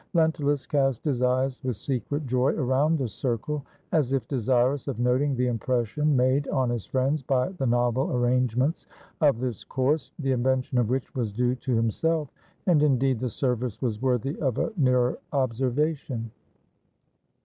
Lentulus cast his eyes with secret joy around the circle, as if desirous of noting the impression made on his friends by the novel arrangements of this course, the invention of which was due to himself ; and, indeed, the service was worthy of a nearer observation.